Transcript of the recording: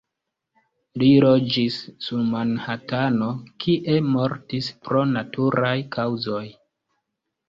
Li loĝis sur Manhatano, kie mortis pro naturaj kaŭzoj.